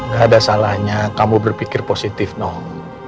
gak ada salahnya kamu berpikir positif nong